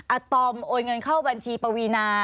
อาตอมโอนเงินเข้าบัญชีปวีนา